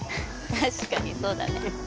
確かにそうだね。